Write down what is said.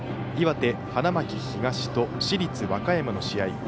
岩手、花巻東と市立和歌山の試合。